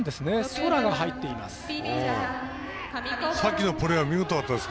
空が入っています。